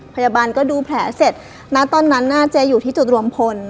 พยาบาลก็ดูแผลเสร็จณตอนนั้นน่ะเจ๊อยู่ที่จุดรวมพล